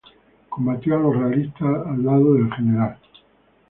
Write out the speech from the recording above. Combatió a los realistas al lado del Gral.